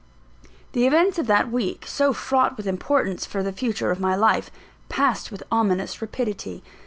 The events of that week, so fraught with importance for the future of my life, passed with ominous rapidity.